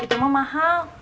itu mah mahal